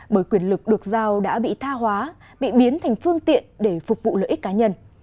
bởi quyền lực được giao đã bị tha hóa bị biến thành phương tiện để phục vụ lợi ích cá nhân